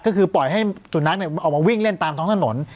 ก็คือปล่อยให้สุนัขออกมาวิ่งเล่นตามท้องถนน